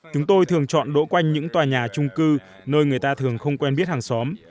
chúng tôi thường chọn đỗ quanh những tòa nhà trung cư nơi người ta thường không quen biết hàng xóm